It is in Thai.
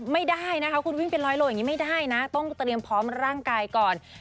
ไม่ได้นะคะคุณวิ่งเป็นร้อยโลอย่างนี้ไม่ได้นะต้องเตรียมพร้อมร่างกายก่อน